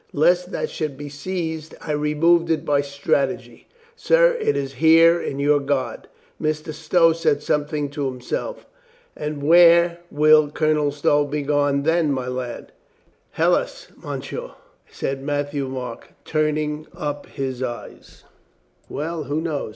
Lest that should be seized I removed it by strategy. Sir, it is here in your guard." Mr. Stow said something to himself. "And where will Colonel Stow be gone then, my lad?" "Helas, monsieur," said Matthieu Marc, turning up his eyes. "Well, who knows?"